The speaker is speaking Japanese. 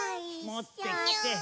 もってきて。